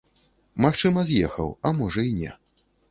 Магчыма, з'ехаў, а можа і не.